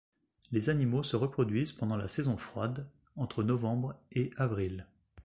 Les animaux se reproduisent pendant la saison froide, entre novembre et avril.